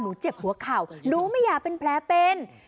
เจ็บหัวเข่าหนูไม่อยากเป็นแผลเป็น